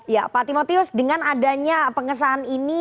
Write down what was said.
ya pak timotius dengan adanya pengesahan ini